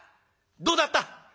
「どうだった？」。